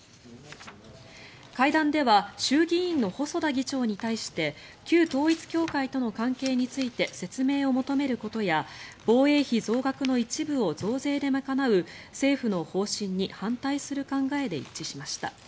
会談では衆議院の細田議長に対して旧統一教会との関係について説明を求めることや防衛費増額の一部を増税で賄う政府の方針に反対する考えで一致しました。